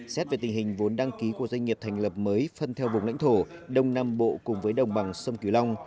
xét về tình hình vốn đăng ký của doanh nghiệp thành lập mới phân theo vùng lãnh thổ đông nam bộ cùng với đồng bằng sông cửu long